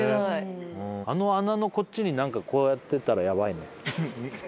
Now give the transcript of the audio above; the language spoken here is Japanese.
あの穴のこっちに何かこうやってたらヤバいね。